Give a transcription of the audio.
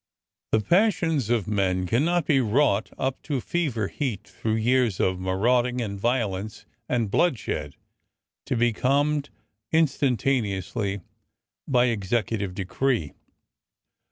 '' The passions of men cannot be wrought up to fever heat through years of marauding and violence and blood shed to be calmed instantaneously by executive decree.